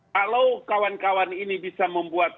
kalau kawan kawan ini bisa membuat